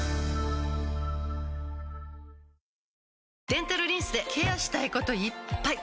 デンタルリンスでケアしたいこといっぱい！